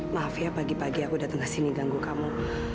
maaf ya pagi pagi aku datang ke sini ganggu kamu